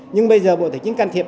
nhưng bây giờ bộ tài chính can thiệp